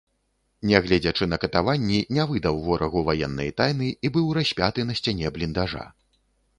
Нягледзячы на катаванні, не выдаў ворагу ваеннай тайны і быў распяты на сцяне бліндажа.